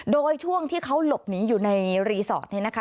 โดยช่วงที่เขาหลบหนีอยู่ในรีสอร์ทเนี่ยนะคะ